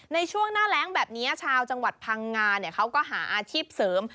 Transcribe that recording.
ในช่วงหน้าแรงแบบนี้ชาวจังหวัดพังงาเขาก็หาอาชีพเสริม